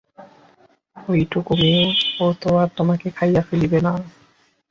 ওইটুকু মেয়ে, ও তো আর তোমাকে খাইয়া ফেলিবে না।